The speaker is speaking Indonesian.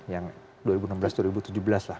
yang dua ribu enam belas dua ribu tujuh belas lah